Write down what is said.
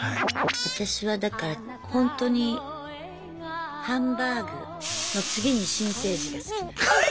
私はだからほんとにハンバーグの次に新生児が好きなの。